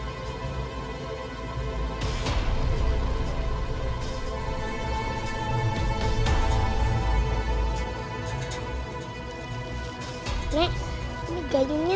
nah nek ini gayungnya